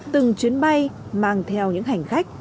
từng chuyến bay mang theo những hành khách